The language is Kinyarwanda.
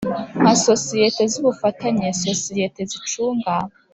nka sosiyete z ubufatanye sosiyete zicunga